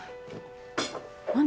何？